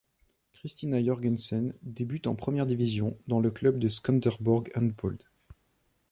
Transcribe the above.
Kristina Jørgensen débute en première division dans le club de Skanderborg Håndbold.